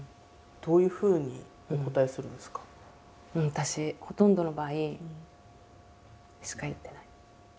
私ほとんどの場合「うん」しか言ってない。